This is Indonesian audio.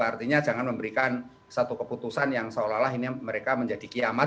artinya jangan memberikan satu keputusan yang seolah olah ini mereka menjadi kiamat